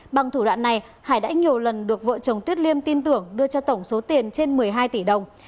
bằng thủ đoạn này hải đã nhiều lần được vợ chồng tuyết liêm tin tưởng đưa cho tổng số tiền trên một mươi hai tỷ đồng